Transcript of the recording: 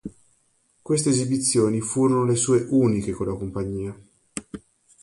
Queste esibizioni furono le sue uniche con la compagnia.